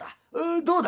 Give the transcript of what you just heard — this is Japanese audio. どうだい？」。